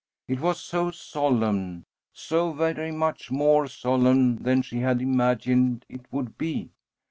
It was so solemn, so very much more solemn than she had imagined it would be.